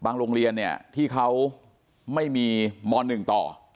บางโรงเรียนที่เขาไม่มีม๑ต่อ